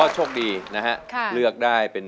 ใจทศกัน